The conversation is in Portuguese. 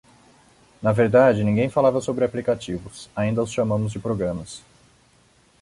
Na verdade, ninguém falava sobre aplicativos: ainda os chamamos de programas.